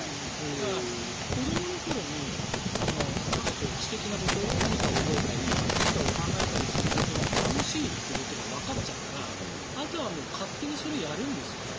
だから子どもの頃に知的なこと、何かを覚えたり何かを考えたりすることが楽しいということがわかっちゃったらあとは勝手にそれをやるんですよね。